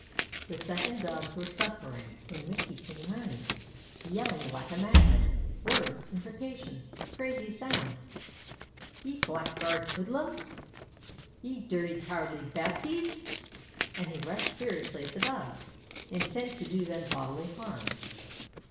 The second Dogs were suffering, when Mickey came running, yelling like a madman words imprecations crazy sounds: "Ye blackguard hoodlums! Ye dhirty, cowardly bastes!" and he rushed furiously at the Dogs, intent to do them bodily harm.